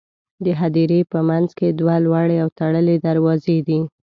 د هدیرې په منځ کې دوه لوړې او تړلې دروازې دي.